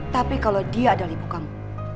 tapi kalau dia adalah ibu kamu